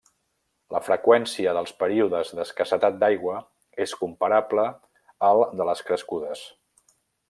La freqüència dels períodes d'escassetat d'aigua és comparable al de les crescudes.